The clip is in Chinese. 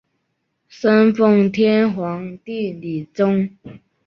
生奉天皇帝李琮。